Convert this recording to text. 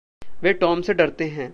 वे Tom से डरते हैं।